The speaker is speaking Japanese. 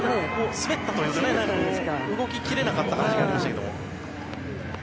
滑ったというか動き切れなかった感じでしたけども。